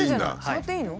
触っていいの？